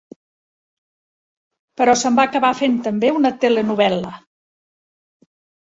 Però se'n va acabar fent també una telenovel·la.